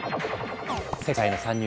世界の参入